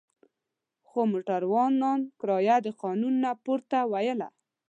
خو موټروان کرایه د قانون نه پورته وویله.